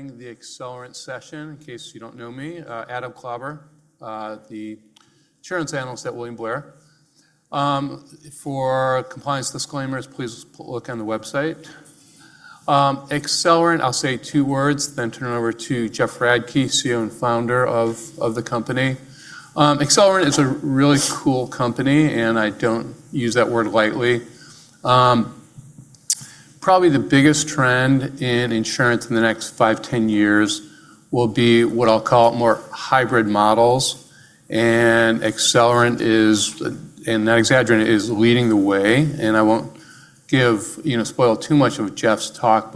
Running the Accelerant session. In case you don't know me, Adam Klauber, the insurance analyst at William Blair. For compliance disclaimers, please look on the website. Accelerant, I'll say two words then turn it over to Jeff Radke, CEO and founder of the company. Accelerant is a really cool company and I don't use that word lightly. Probably the biggest trend in insurance in the next five, 10 years will be what I'll call more hybrid models and Accelerant is, and I'm not exaggerating, is leading the way and I won't spoil too much of Jeff's talk.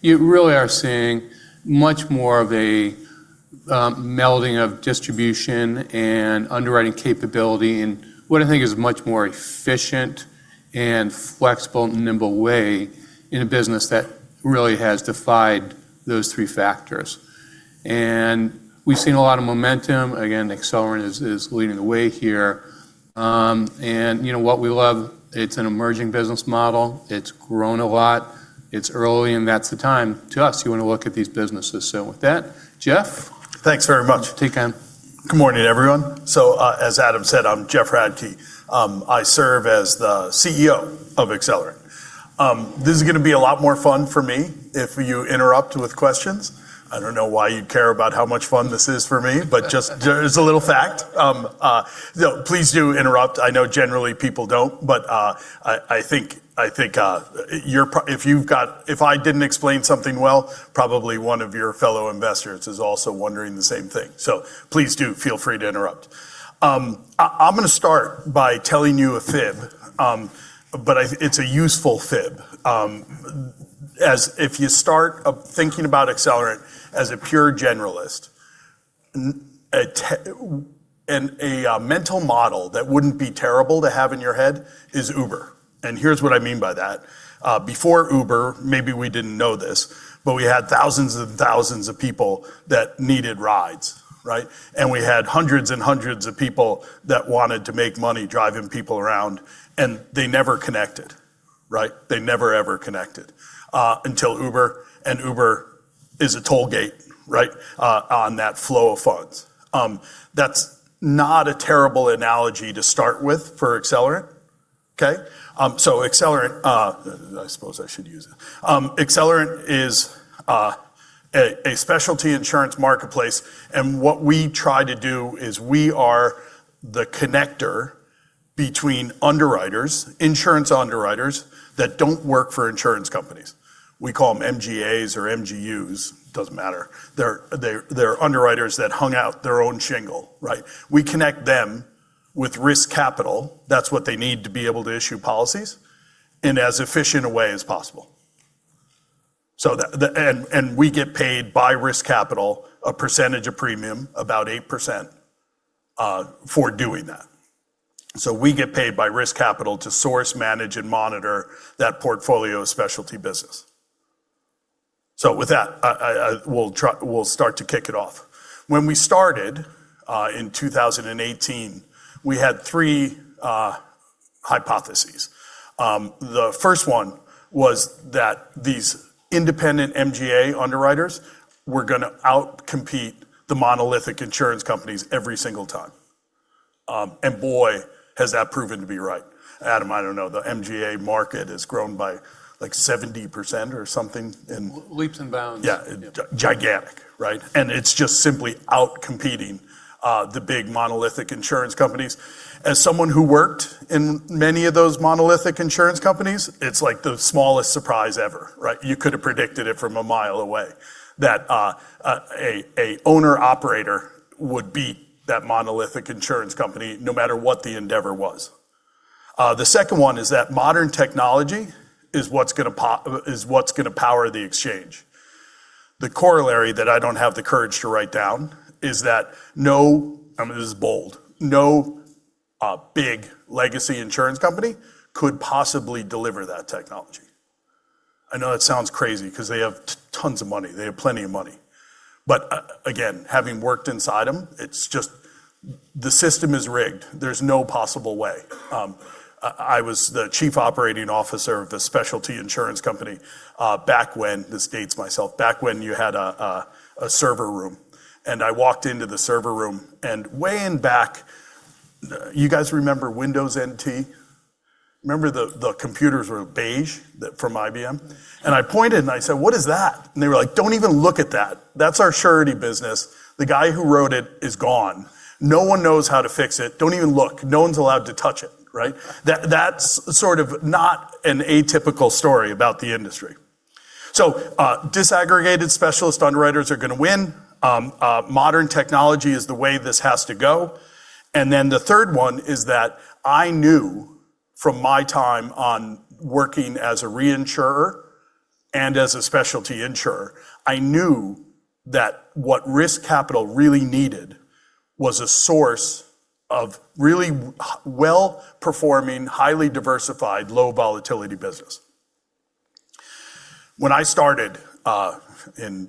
You really are seeing much more of a melding of distribution and underwriting capability in what I think is a much more efficient and flexible and nimble way in a business that really has defied those three factors. We've seen a lot of momentum. Again, Accelerant is leading the way here. You know what we love, it's an emerging business model. It's grown a lot. It's early and that's the time, to us, you want to look at these businesses. With that, Jeff. Thanks very much. Take time. Good morning, everyone. As Adam said, I'm Jeff Radke. I serve as the CEO of Accelerant. This is going to be a lot more fun for me if you interrupt with questions. I don't know why you'd care about how much fun this is for me, but there's a little fact. No, please do interrupt. I know generally people don't, but I think if I didn't explain something well, probably one of your fellow investors is also wondering the same thing. Please do feel free to interrupt. I'm going to start by telling you a fib, but it's a useful fib. If you start thinking about Accelerant as a pure generalist, and a mental model that wouldn't be terrible to have in your head is Uber, and here's what I mean by that. Before Uber, maybe we didn't know this, but we had thousands and thousands of people that needed rides, right? We had hundreds and hundreds of people that wanted to make money driving people around and they never connected. Right? They never ever connected until Uber, and Uber is a tollgate on that flow of funds. That's not a terrible analogy to start with for Accelerant. Okay? Accelerant I suppose I should use it. Accelerant is a specialty insurance marketplace and what we try to do is we are the connector between underwriters, insurance underwriters that don't work for insurance companies. We call them MGAs or MGUs, doesn't matter. They're underwriters that hung out their own shingle, right? We connect them with risk capital, that's what they need to be able to issue policies, in as efficient a way as possible. We get paid by risk capital, a percentage of premium, about 8%, for doing that. We get paid by risk capital to source, manage, and monitor that portfolio specialty business. With that, we'll start to kick it off. When we started in 2018, we had three hypotheses. The first one was that these independent MGA underwriters were going to out-compete the monolithic insurance companies every single time. Boy, has that proven to be right. Adam, I don't know, the MGA market has grown by 70% or something. Leaps and bounds. Yeah. Yeah. Gigantic. Right? It's just simply out-competing the big monolithic insurance companies. As someone who worked in many of those monolithic insurance companies, it's like the smallest surprise ever. Right? You could've predicted it from a mile away, that a owner-operator would beat that monolithic insurance company no matter what the endeavor was. The second one is that modern technology is what's going to power the exchange. The corollary that I don't have the courage to write down is that no, and this is bold, no big legacy insurance company could possibly deliver that technology. I know that sounds crazy because they have tons of money, they have plenty of money. Again, having worked inside them, it's just the system is rigged. There's no possible way. I was the chief operating officer of a specialty insurance company back when, this dates myself, back when you had a server room, and I walked into the server room and way in back. You guys remember Windows NT? Remember the computers were beige from IBM? I pointed and I said, "What is that?" They were like, "Don't even look at that. That's our surety business. The guy who wrote it is gone. No one knows how to fix it. Don't even look. No one's allowed to touch it." Right? That's sort of not an atypical story about the industry. Disaggregated specialist underwriters are going to win. Modern technology is the way this has to go. The third one is that I knew from my time on working as a reinsurer and as a specialty insurer, I knew that what risk capital really needed was a source of really well-performing, highly diversified, low volatility business. When I started in the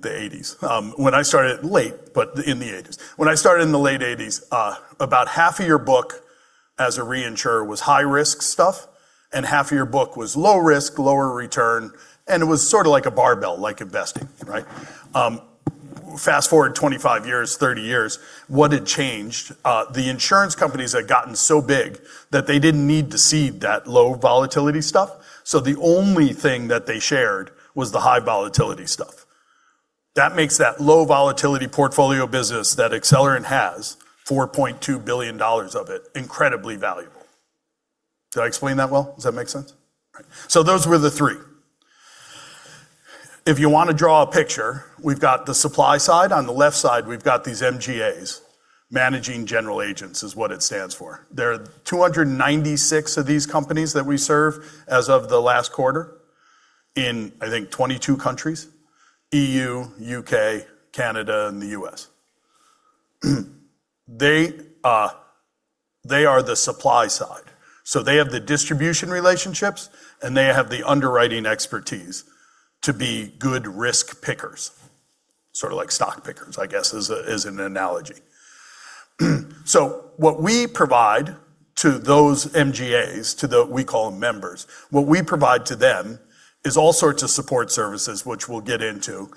late '80s, about half of your book as a reinsurer was high-risk stuff, and half of your book was low risk, lower return, and it was sort of like a barbell, like investing, right? Fast-forward 25 years, 30 years, what had changed? The insurance companies had gotten so big that they didn't need to cede that low volatility stuff, so the only thing that they shared was the high volatility stuff. That makes that low volatility portfolio business that Accelerant has, $4.2 billion of it, incredibly valuable. Did I explain that well? Does that make sense? Those were the three. If you want to draw a picture, we've got the supply side. On the left side, we've got these MGAs. Managing General Agents is what it stands for. There are 296 of these companies that we serve as of the last quarter in, I think, 22 countries: EU, U.K., Canada, and the U.S. They are the supply side. They have the distribution relationships, and they have the underwriting expertise to be good risk pickers. Sort of like stock pickers, I guess, is an analogy. What we provide to those MGAs, we call them members, what we provide to them is all sorts of support services, which we'll get into.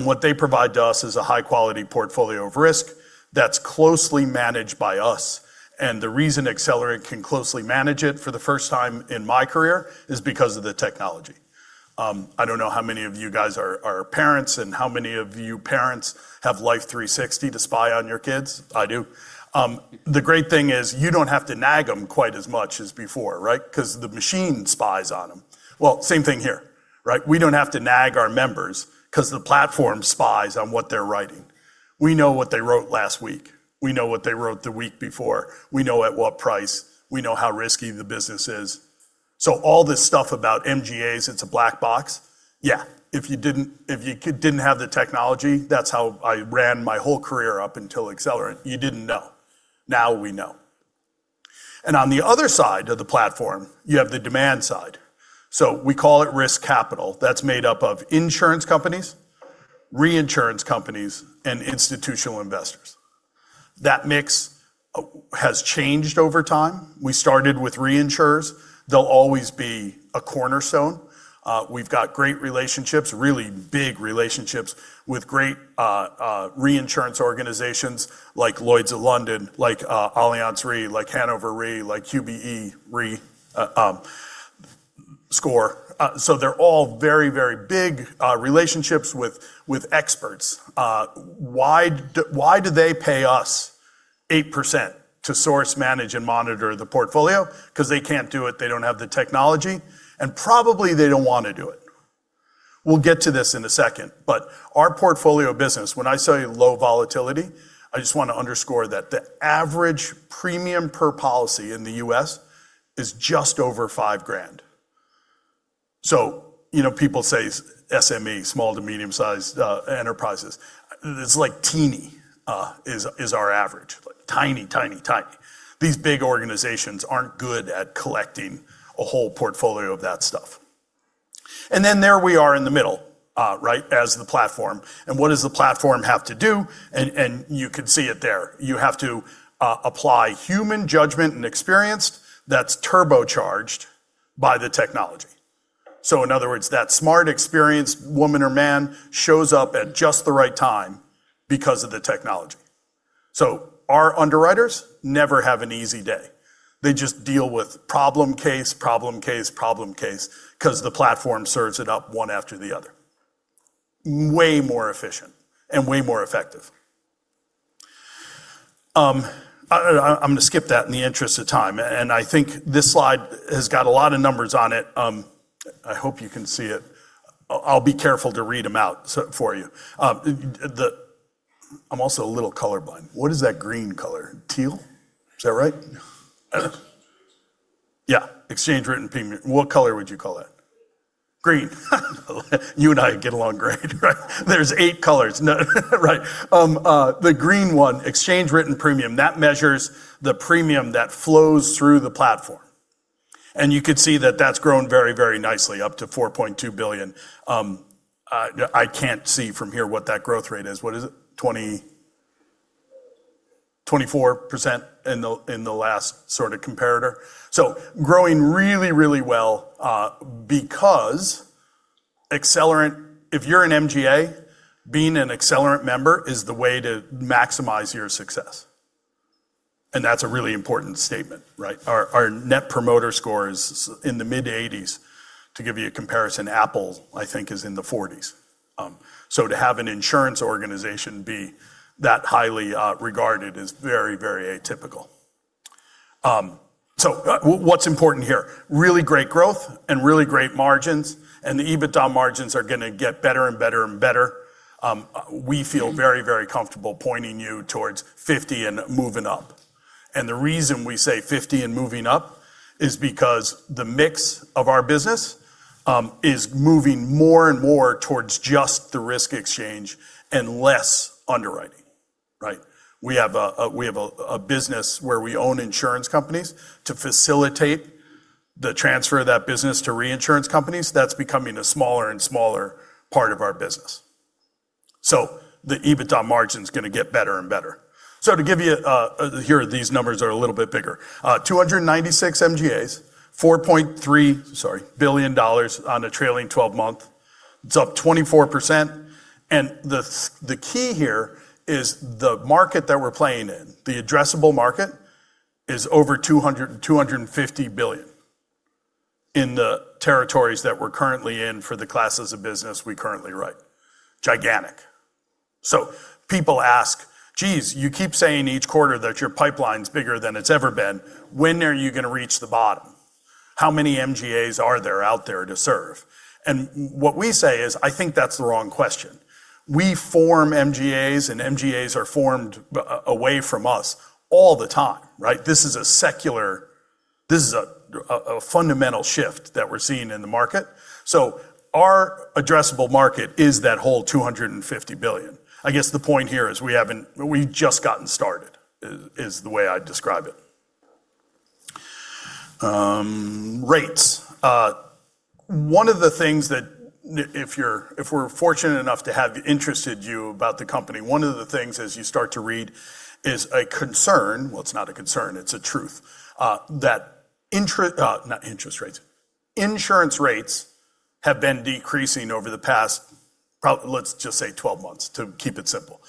What they provide to us is a high-quality portfolio of risk that's closely managed by us, and the reason Accelerant can closely manage it for the first time in my career is because of the technology. I don't know how many of you guys are parents and how many of you parents have Life360 to spy on your kids. I do. The great thing is you don't have to nag them quite as much as before, right? Because the machine spies on them. Well, same thing here, right? We don't have to nag our members because the platform spies on what they're writing. We know what they wrote last week. We know what they wrote the week before. We know at what price. We know how risky the business is. All this stuff about MGAs, it's a black box. Yeah. If you didn't have the technology, that's how I ran my whole career up until Accelerant. You didn't know. Now we know. On the other side of the platform, you have the demand side. We call it risk capital. That's made up of insurance companies, reinsurance companies, and institutional investors. That mix has changed over time. We started with reinsurers. They'll always be a cornerstone. We've got great relationships, really big relationships with great reinsurance organizations like Lloyd's of London, like Allianz Re, like Hannover Re, like QBE Re, SCOR. They're all very big relationships with experts. Why do they pay us 8% to source, manage, and monitor the portfolio? Because they can't do it, they don't have the technology, and probably they don't want to do it. We'll get to this in a second. Our portfolio business, when I say low volatility, I just want to underscore that the average premium per policy in the U.S. is just over $5,000. People say SME, small to medium-sized enterprises. It's like teeny is our average. Like tiny. These big organizations aren't good at collecting a whole portfolio of that stuff. There we are in the middle, right, as the platform, and what does the platform have to do? You can see it there. You have to apply human judgment and experience that's turbocharged by the technology. In other words, that smart experienced woman or man shows up at just the right time because of the technology. Our underwriters never have an easy day. They just deal with problem case, problem case, problem case because the platform serves it up one after the other. Way more efficient and way more effective. I'm going to skip that in the interest of time. I think this slide has got a lot of numbers on it. I hope you can see it. I'll be careful to read them out for you. I'm also a little color blind. What is that green color? Teal? Is that right? Yeah. Yeah. Exchange written premium. What color would you call it? Green. Green. You and I get along great, right? There's eight colors. Right. The green one, exchange written premium, that measures the premium that flows through the platform, and you could see that that's grown very nicely, up to $4.2 billion. I can't see from here what that growth rate is. What is it? 24% in the last sort of comparator. Growing really well, because if you're an MGA, being an Accelerant member is the way to maximize your success, and that's a really important statement, right? Our net promoter score is in the mid-80s. To give you a comparison, Apple, I think, is in the 40s. To have an insurance organization be that highly regarded is very atypical. What's important here? Really great growth and really great margins, and the EBITDA margins are going to get better and better. We feel very comfortable pointing you towards 50 and moving up. The reason we say 50 and moving up is because the mix of our business is moving more and more towards just the risk exchange and less underwriting, right? We have a business where we own insurance companies to facilitate the transfer of that business to reinsurance companies. That's becoming a smaller and smaller part of our business. The EBITDA margin's going to get better and better. To give you, here, these numbers are a little bit bigger. 296 MGAs, $4.3 billion on a trailing 12 month. It's up 24%. The key here is the market that we're playing in. The addressable market is over $250 billion in the territories that we're currently in for the classes of business we currently write. Gigantic. People ask, "Geez, you keep saying each quarter that your pipeline's bigger than it's ever been. When are you going to reach the bottom? How many MGAs are there out there to serve?" What we say is, "I think that's the wrong question." We form MGAs, and MGAs are formed away from us all the time, right? This is a fundamental shift that we're seeing in the market. Our addressable market is that whole $250 billion. I guess the point here is we've just gotten started, is the way I'd describe it. Rates. One of the things that if we're fortunate enough to have interested you about the company, one of the things as you start to read is a concern, well, it's not a concern, it's a truth, that interest, not interest rates, insurance rates have been decreasing over the past, let's just say 12 months to keep it simple.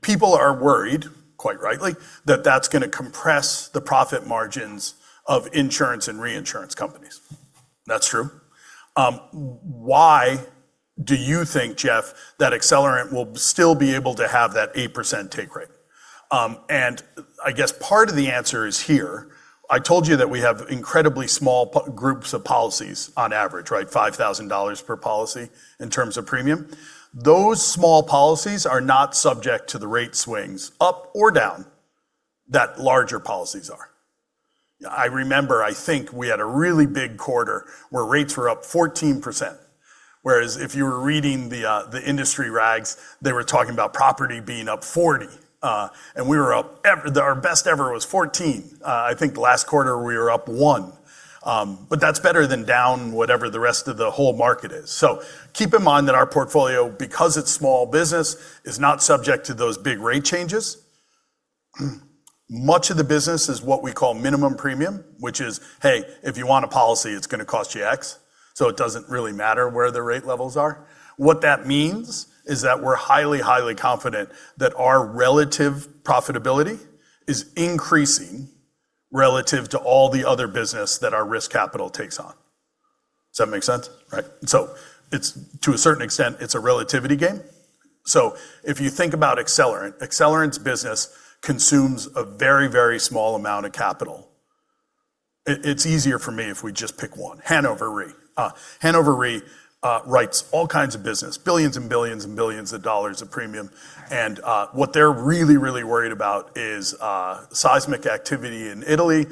People are worried, quite rightly, that that's going to compress the profit margins of insurance and reinsurance companies. That's true. Why do you think, Jeff, that Accelerant will still be able to have that 8% take rate? I guess part of the answer is here. I told you that we have incredibly small groups of policies on average, right? $5,000 per policy in terms of premium. Those small policies are not subject to the rate swings, up or down, that larger policies are. I remember, I think, we had a really big quarter where rates were up 14%, whereas if you were reading the industry rags, they were talking about property being up 40. Our best ever was 14%. I think last quarter we were up 1%. That's better than down whatever the rest of the whole market is. Keep in mind that our portfolio, because it's small business, is not subject to those big rate changes. Much of the business is what we call minimum premium, which is, hey, if you want a policy, it's going to cost you X. It doesn't really matter where the rate levels are. What that means is that we're highly confident that our relative profitability is increasing relative to all the other business that our risk capital takes on. Does that make sense? Right. To a certain extent, it's a relativity game. If you think about Accelerant's business consumes a very, very small amount of capital. It's easier for me if we just pick one. Hannover Re. Hannover Re writes all kinds of business, billions and billions and billions of dollars of premium. What they're really, really worried about is seismic activity in Italy,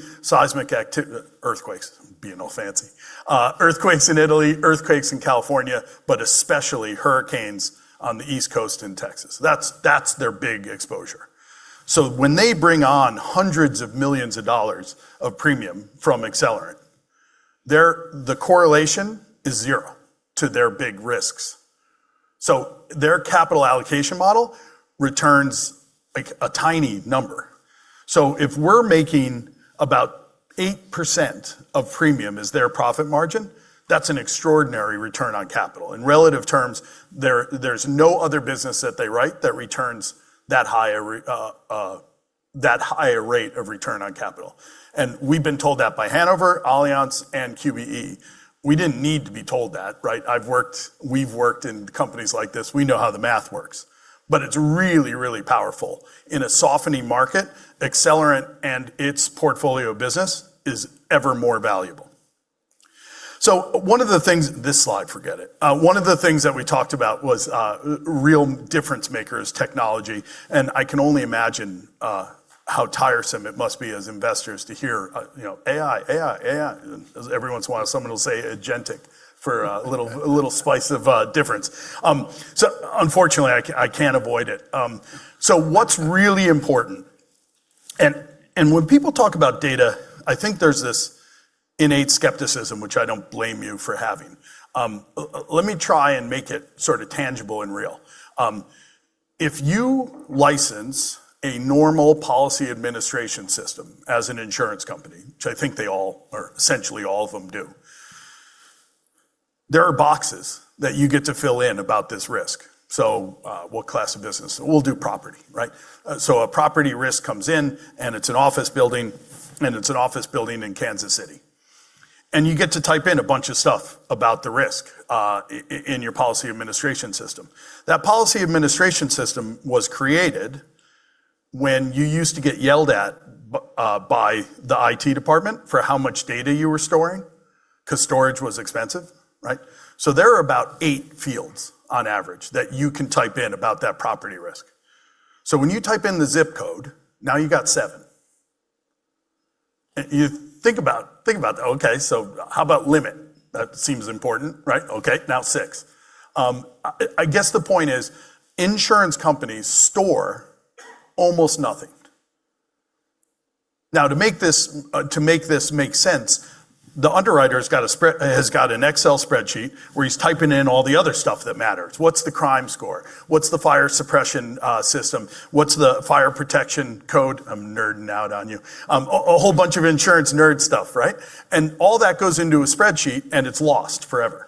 earthquakes, being all fancy. Earthquakes in Italy, earthquakes in California, but especially hurricanes on the East Coast and Texas. That's their big exposure. When they bring on hundreds of millions of dollars of premium from Accelerant, the correlation is zero to their big risks. Their capital allocation model returns a tiny number. If we're making about 8% of premium as their profit margin, that's an extraordinary return on capital. In relative terms, there's no other business that they write that returns that higher rate of return on capital. We've been told that by Hannover, Allianz, and QBE. We didn't need to be told that, right? We've worked in companies like this. We know how the math works. It's really, really powerful. In a softening market, Accelerant and its portfolio business is ever more valuable. This slide, forget it. One of the things that we talked about was real difference makers technology, and I can only imagine how tiresome it must be as investors to hear, AI, AI. Every once in a while, someone will say agentic for a little spice of difference. Unfortunately, I can't avoid it. What's really important, and when people talk about data, I think there's this innate skepticism, which I don't blame you for having. Let me try and make it sort of tangible and real. If you license a normal policy administration system as an insurance company, which I think they all, or essentially all of them do. There are boxes that you get to fill in about this risk. What class of business? We'll do property, right? A property risk comes in and it's an office building, and it's an office building in Kansas City. You get to type in a bunch of stuff about the risk in your policy administration system. That policy administration system was created when you used to get yelled at by the IT department for how much data you were storing, because storage was expensive, right? There are about eight fields on average that you can type in about that property risk. When you type in the zip code, now you got seven. Think about that. How about limit? That seems important, right? Now it's six. I guess the point is insurance companies store almost nothing. To make this make sense, the underwriter has got an Excel spreadsheet where he's typing in all the other stuff that matters. What's the crime score? What's the fire suppression system? What's the fire protection code? I'm nerding out on you. A whole bunch of insurance nerd stuff, right? All that goes into a spreadsheet and it's lost forever.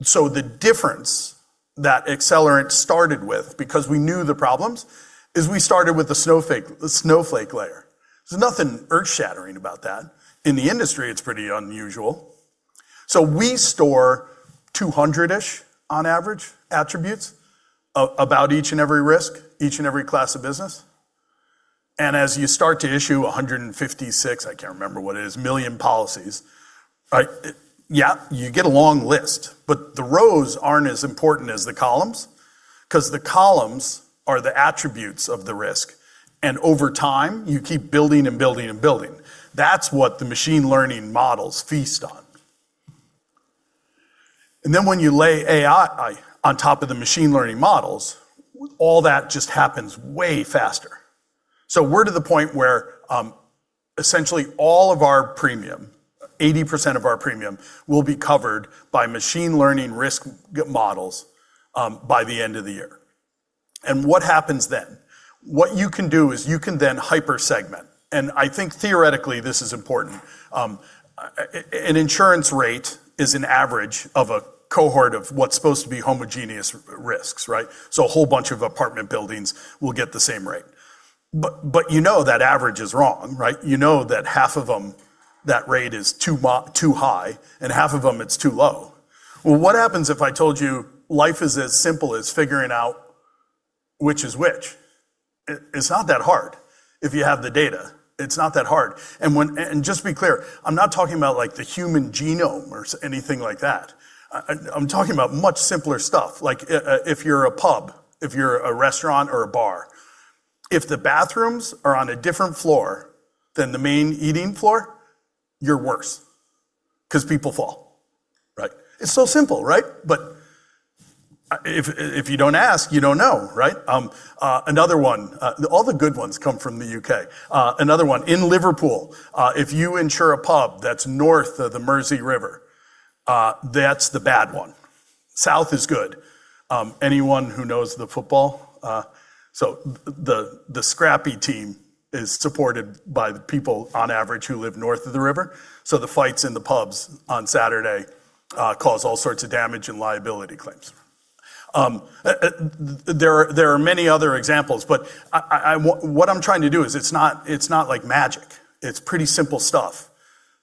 The difference that Accelerant started with, because we knew the problems, is we started with the Snowflake layer. There's nothing earth-shattering about that. In the industry, it's pretty unusual. We store 200-ish, on average, attributes about each and every risk, each and every class of business. As you start to issue 156, I can't remember what it is, million policies, yeah, you get a long list, but the rows aren't as important as the columns, because the columns are the attributes of the risk. Over time, you keep building and building and building. That's what the machine learning models feast on. Then when you lay AI on top of the machine learning models, all that just happens way faster. We're to the point where essentially all of our premium, 80% of our premium, will be covered by machine learning risk models by the end of the year. What happens then? What you can do is you can then hyper-segment. I think theoretically this is important. An insurance rate is an average of a cohort of what's supposed to be homogeneous risks, right? A whole bunch of apartment buildings will get the same rate. You know that average is wrong, right? You know that half of them, that rate is too high, and half of them it's too low. What happens if I told you life is as simple as figuring out which is which? It's not that hard if you have the data. It's not that hard. Just to be clear, I'm not talking about the human genome or anything like that. I'm talking about much simpler stuff. Like if you're a pub, if you're a restaurant or a bar, if the bathrooms are on a different floor than the main eating floor, you're worse, because people fall. Right? It's so simple, right? If you don't ask, you don't know, right? Another one. All the good ones come from the U.K. Another one. In Liverpool, if you insure a pub that's north of the Mersey River, that's the bad one. South is good. Anyone who knows the football. The scrappy team is supported by the people, on average, who live north of the river. The fights in the pubs on Saturday cause all sorts of damage and liability claims. There are many other examples, but what I'm trying to do is it's not like magic. It's pretty simple stuff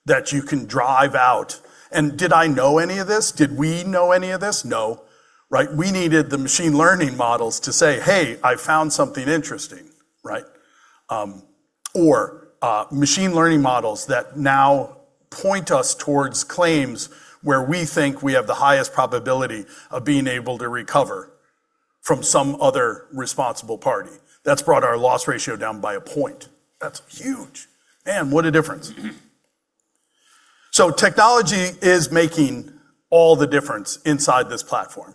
that you can derive out. Did I know any of this? Did we know any of this? No. Right? We needed the machine learning models to say, "Hey, I found something interesting." Right? Machine learning models that now point us towards claims where we think we have the highest probability of being able to recover from some other responsible party. That's brought our loss ratio down by a point. That's huge. Man, what a difference. Technology is making all the difference inside this platform,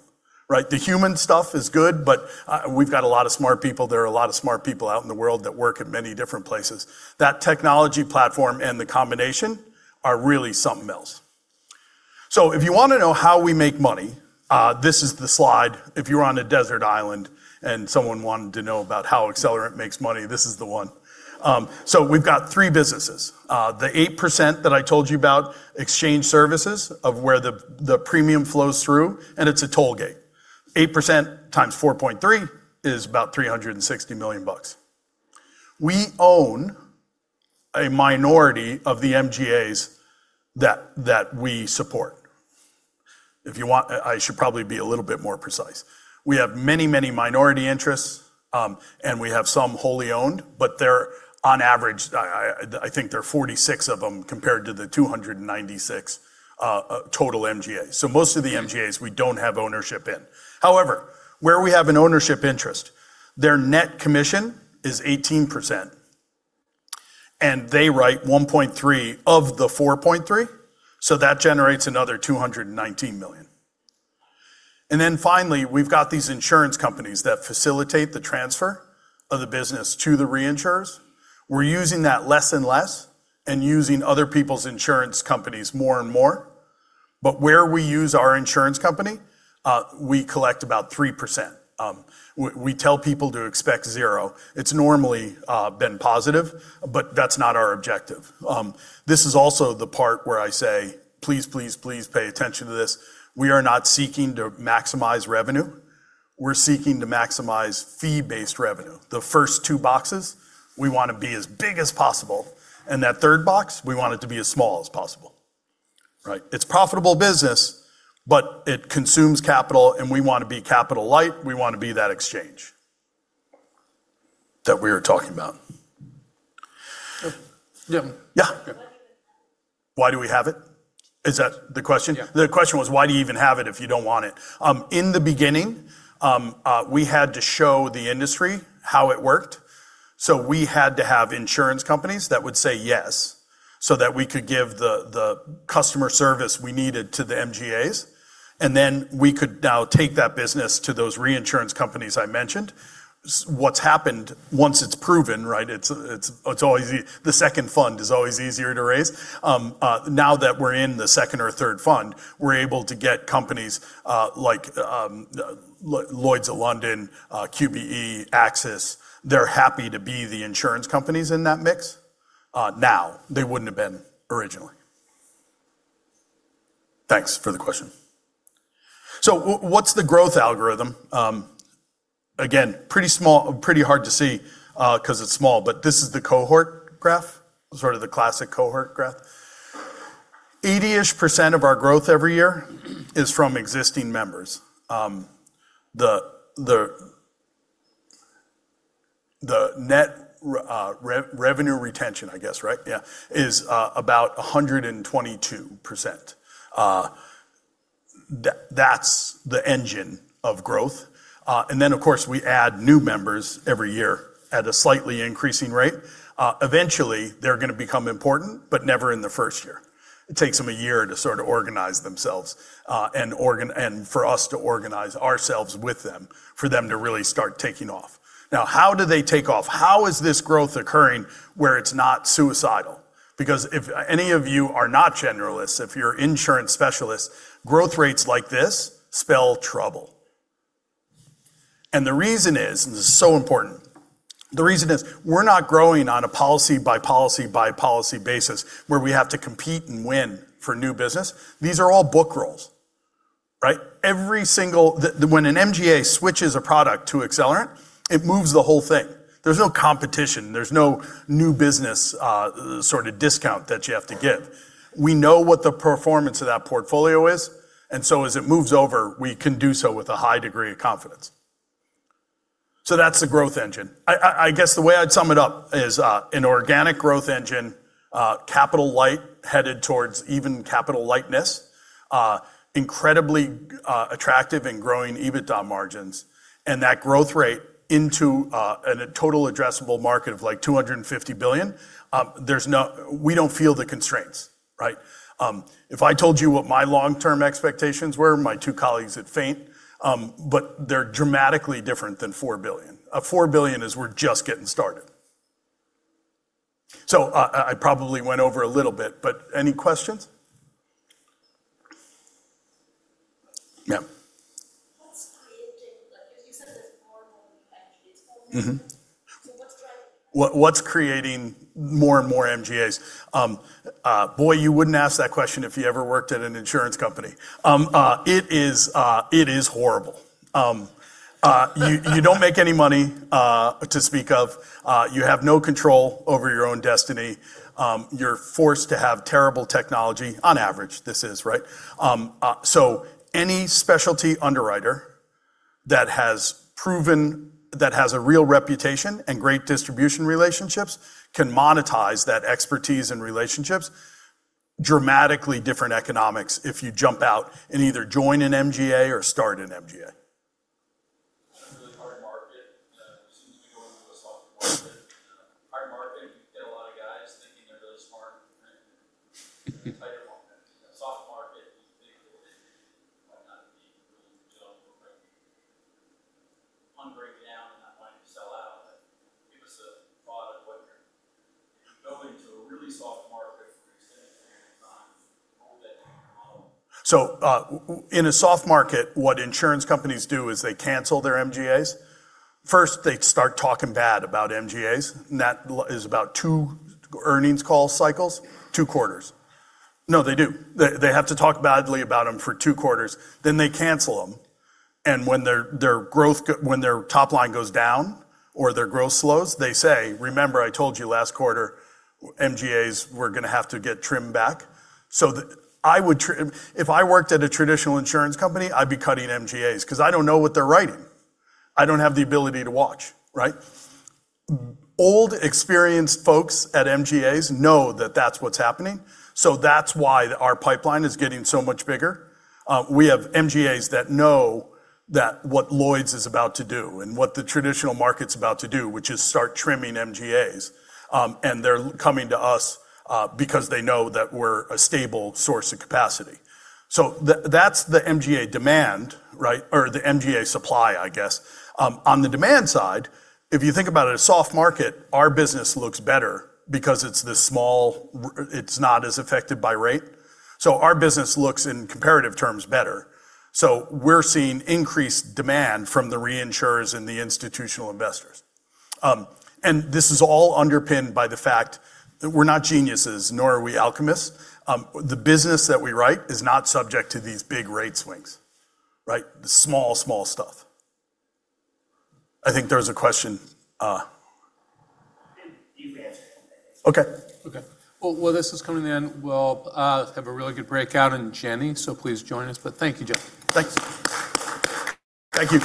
right? The human stuff is good, but we've got a lot of smart people. There are a lot of smart people out in the world that work at many different places. That technology platform and the combination are really something else. If you want to know how we make money, this is the slide if you were on a desert island and someone wanted to know about how Accelerant makes money, this is the one. We've got three businesses. The 8% that I told you about, exchange services, of where the premium flows through, and it's a tollgate. 8% times 4.3 is about $360 million. We own a minority of the MGAs that we support. If you want, I should probably be a little bit more precise. We have many, many minority interests, and we have some wholly owned, but they're on average, I think there are 46 of them compared to the 296 total MGAs. Most of the MGAs we don't have ownership in. However, where we have an ownership interest, their net commission is 18%, they write $1.3 of the $4.3, that generates another $219 million. Finally, we've got these insurance companies that facilitate the transfer of the business to the reinsurers. We're using that less and less and using other people's insurance companies more and more. Where we use our insurance company, we collect about 3%. We tell people to expect zero. It's normally been positive, but that's not our objective. This is also the part where I say, please pay attention to this. We are not seeking to maximize revenue. We're seeking to maximize fee-based revenue. The first two boxes, we want to be as big as possible, and that third box, we want it to be as small as possible. Right? It's profitable business, but it consumes capital, and we want to be capital light. We want to be that exchange that we were talking about. Yeah. Yeah. Why do you have it? Why do we have it? Is that the question? Yeah. The question was why do you even have it if you don't want it? In the beginning, we had to show the industry how it worked, so we had to have insurance companies that would say yes, so that we could give the customer service we needed to the MGAs. We could now take that business to those reinsurance companies I mentioned. What's happened, once it's proven, right, the second fund is always easier to raise. Now that we're in the second or third fund, we're able to get companies like Lloyd's of London, QBE, AXIS. They're happy to be the insurance companies in that mix now. They wouldn't have been originally. Thanks for the question. What's the growth algorithm? Again, pretty hard to see because it's small, but this is the cohort graph, sort of the classic cohort graph. 80-ish% of our growth every year is from existing members. The Net Revenue Retention, I guess, right? Yeah. Is about 122%. That's the engine of growth. Then, of course, we add new members every year at a slightly increasing rate. Eventually, they're going to become important, but never in the first year. It takes them a year to sort of organize themselves and for us to organize ourselves with them, for them to really start taking off. Now, how do they take off? How is this growth occurring where it's not suicidal? Because if any of you are not generalists, if you're insurance specialists, growth rates like this spell trouble. The reason is, and this is so important, the reason is we're not growing on a policy by policy by policy basis where we have to compete and win for new business. These are all book rolls, right? When an MGA switches a product to Accelerant, it moves the whole thing. There's no competition. There's no new business discount that you have to give. We know what the performance of that portfolio is. As it moves over, we can do so with a high degree of confidence. That's the growth engine. I guess the way I'd sum it up is an organic growth engine, capital light, headed towards even capital lightness. Incredibly attractive in growing EBITDA margins and that growth rate into a total addressable market of $250 billion. We don't feel the constraints, right? If I told you what my long-term expectations were, my two colleagues would faint, but they're dramatically different than $4 billion. A $4 billion is we're just getting started. I probably went over a little bit, but any questions? Yeah. You said there's more and more MGAs forming. What's driving that? What's creating more and more MGAs? Boy, you wouldn't ask that question if you ever worked at an insurance company. It is horrible. You don't make any money to speak of. You have no control over your own destiny. You're forced to have terrible technology. On average, this is, right? Any specialty underwriter that has proven, that has a real reputation and great distribution relationships can monetize that expertise and relationships. Dramatically different economics if you jump out and either join an MGA or start an MGA. It's a really hard market. It seems to be going through a soft market. Hard market, you get a lot of guys thinking they're really smart and take your market. In a soft market, you think, well, they might not be really jumping right on breakdown and not wanting to sell out. Give us a thought of what you're building to a really soft market for an extended period of time, a little bit of your model. In a soft market, what insurance companies do is they cancel their MGAs. First, they start talking bad about MGAs, and that is about two earnings call cycles, two quarters. No, they do. They have to talk badly about them for two quarters, then they cancel them. When their top line goes down or their growth slows, they say, "Remember I told you last quarter MGAs were going to have to get trimmed back." If I worked at a traditional insurance company, I'd be cutting MGAs because I don't know what they're writing. I don't have the ability to watch, right? Old, experienced folks at MGAs know that that's what's happening, so that's why our pipeline is getting so much bigger. We have MGAs that know that what Lloyd's is about to do and what the traditional market's about to do, which is start trimming MGAs, they're coming to us because they know that we're a stable source of capacity. That's the MGA demand, right, or the MGA supply, I guess. On the demand side, if you think about it, a soft market, our business looks better because it's this small, it's not as affected by rate. Our business looks, in comparative terms, better. We're seeing increased demand from the reinsurers and the institutional investors. This is all underpinned by the fact that we're not geniuses, nor are we alchemists. The business that we write is not subject to these big rate swings. Right? The small stuff. I think there was a question. You've answered it, thanks. Okay. Okay. Well, while this is coming in, we'll have a really good breakout on Jenny, so please join us. Thank you, Jeff. Thanks. Thank you